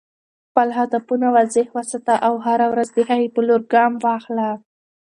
خپل هدفونه واضح وساته او هره ورځ د هغې په لور ګام واخله.